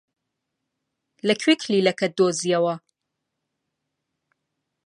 لەکوێ کلیلەکەت دۆزییەوە؟